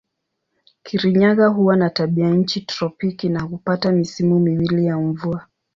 Kirinyaga huwa na tabianchi tropiki na hupata misimu miwili ya mvua.